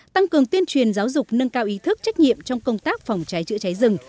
tăng cường tuyên truyền giáo dục nâng cao ý thức trách nhiệm trong công tác phòng cháy chữa cháy rừng